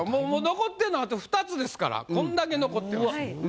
残ってるのあと２つですからこんだけ残ってます。